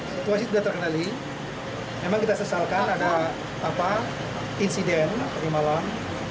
situasi tidak terkenali memang kita sesalkan ada insiden hari malam